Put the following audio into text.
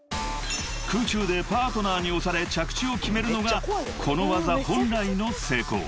［空中でパートナーに押され着地を決めるのがこの技本来の成功］